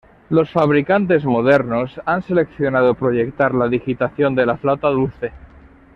Los fabricantes modernos han seleccionado proyectar la digitación de la flauta dulce.